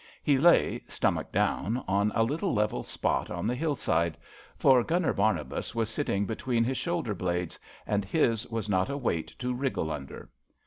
He lay, stomach down, on a little level spot on the hillside; for Gunner Barnabas was sitting be tween his shoulder blades, and his was not a weight to wriggle under.